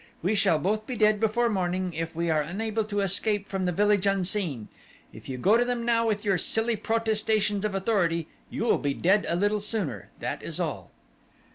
We shall both be dead before morning if we are unable to escape from the village unseen. If you go to them now with your silly protestations of authority you will be dead a little sooner, that is all."